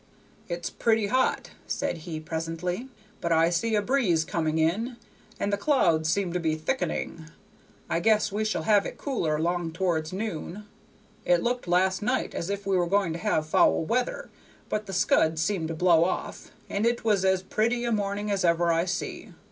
"It's pretty hot," said he, presently, "but I see a breeze coming in, and the clouds seem to be thickening; I guess we shall have it cooler 'long towards noon. It looked last night as if we were going to have foul weather, but the scud seemed to blow off, and it was as pretty a morning as ever I see.